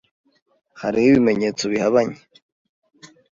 Hariho ibimenyetso bihabanye.